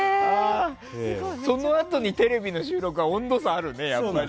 そのあとにテレビの収録は温度差あるね、やっぱり。